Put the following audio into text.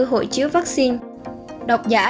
hội chiếu vaccine đọc giả